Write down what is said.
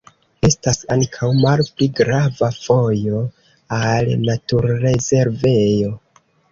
Estas ankaŭ malpli grava vojo al naturrezervejo.